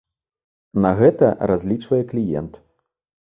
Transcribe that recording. На гэта разлічвае кліент.